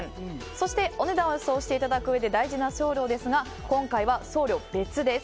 そして、お値段を予想していただくうえで大事な送料ですが今回は送料別です。